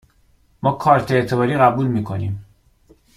ما کارت اعتباری قبول می کنیم.